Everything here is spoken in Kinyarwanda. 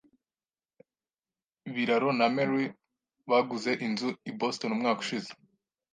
Biraro na Mary baguze inzu i Boston umwaka ushize.